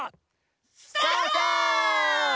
スタート！